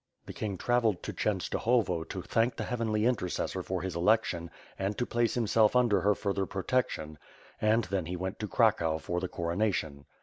The king travelled to Chenstohovo to thank the heavenly intercessor for his election and to place himself under her further protection, and then he went to Cracow for the coronation.